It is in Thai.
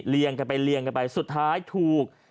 กันไปเรียงกันไปสุดท้ายถูก